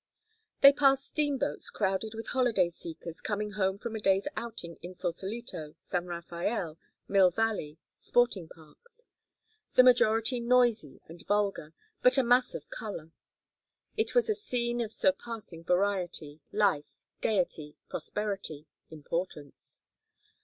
They passed steamboats crowded with holiday seekers coming home from a day's outing in Sausalito, San Rafael, Mill Valley, sporting parks; the majority noisy and vulgar, but a mass of color. It was a scene of surpassing variety, life, gayety, prosperity, importance.